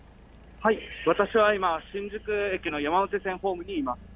私は今、新宿駅の山手線ホームにいます。